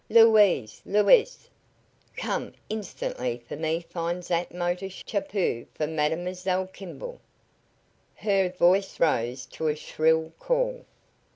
Louise! Louse! Come instantly and for me find zat motor chapeau for Mademoiselle Kimball." Her voice rose to a shrill call.